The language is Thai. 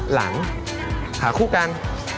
หลังหาคู่กัน